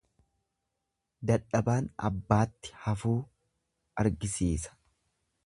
Dadhabaan abbaatti hafuu argisiisa.